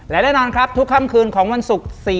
และแน่นอนครับทุกค่ำคืนของวันศุกร์